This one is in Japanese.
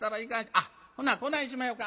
あっほなこないしまひょか。